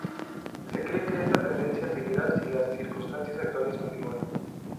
Se cree que esta tendencia seguirá si las circunstancias actuales continúan.